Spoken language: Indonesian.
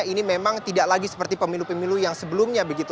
ini memang tidak lagi seperti pemilu pemilu yang sebelumnya begitu